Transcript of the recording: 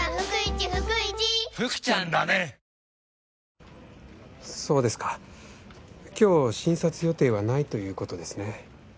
本麒麟そうですか今日診察予定はないということですね。